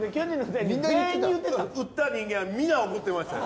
打った人間はみんな怒ってましたよ